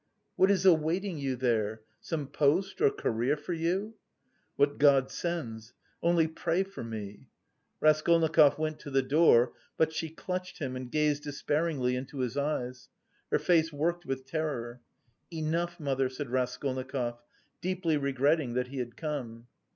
"What is awaiting you there? Some post or career for you?" "What God sends... only pray for me." Raskolnikov went to the door, but she clutched him and gazed despairingly into his eyes. Her face worked with terror. "Enough, mother," said Raskolnikov, deeply regretting that he had come.